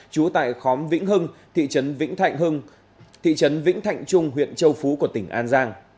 trú tại khóm vĩnh hưng thị trấn vĩnh thạnh trung